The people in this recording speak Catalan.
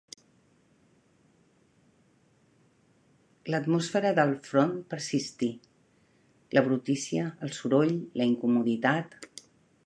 L'atmosfera del front persistí; la brutícia, el soroll, la incomoditat